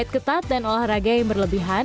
ketat dan olahraga yang berlebihan